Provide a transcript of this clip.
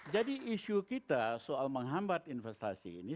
jadi isu kita soal menghambat investasi ini